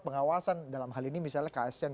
pengawasan dalam hal ini misalnya ksn